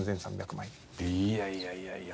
いやいやいやいや。